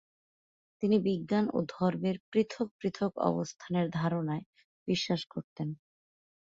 তিনি বিজ্ঞান ও ধর্মের পৃথক পৃথক অবস্থানের ধারণায় বিশ্বাস করতেন।